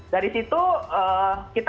dari situ kita